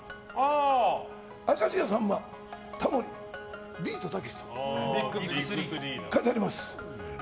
明石家さんま、タモリビートたけし描いてあります。